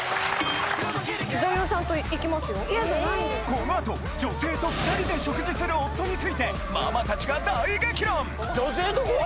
・このあと女性と２人で食事する夫についてママたちが大激論！